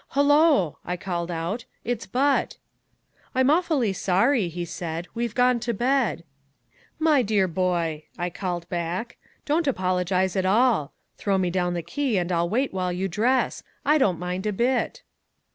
'Hullo,' I called out; 'it's Butt.' 'I'm awfully sorry,' he said, 'we've gone to bed.' 'My dear boy,' I called back, 'don't apologize at all. Throw me down the key and I'll wait while you dress. I don't mind a bit.'